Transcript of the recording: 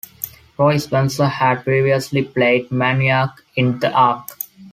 Roy Spencer had previously played Manyak in "The Ark".